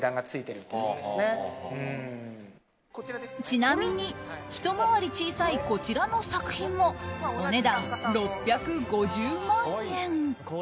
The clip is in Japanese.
ちなみに、ひと回り小さいこちらの作品もお値段６５０万円。